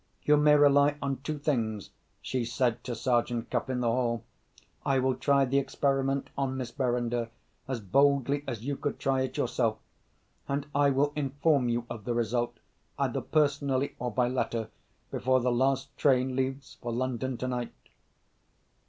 "You may rely on two things," she said to Sergeant Cuff, in the hall. "I will try the experiment on Miss Verinder as boldly as you could try it yourself. And I will inform you of the result, either personally or by letter, before the last train leaves for London tonight."